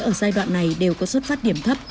ở giai đoạn này đều có xuất phát điểm thấp